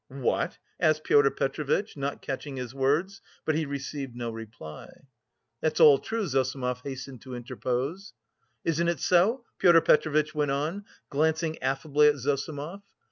"What?" asked Pyotr Petrovitch, not catching his words; but he received no reply. "That's all true," Zossimov hastened to interpose. "Isn't it so?" Pyotr Petrovitch went on, glancing affably at Zossimov.